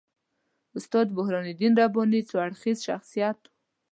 استاد برهان الدین رباني څو اړخیز شخصیت وو.